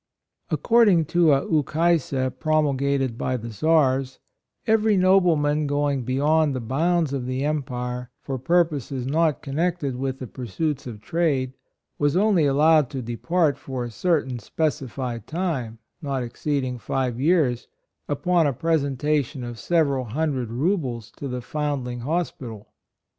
According to a Ukase promul gated by the Czars, " Every noble man going beyond the bounds of the empire for purposes not con nected with the pursuits of trade, was only allowed to depart for a certain specified time, not exceed ing five years, upon a presentation of several hundred roubles to the foundling hospital.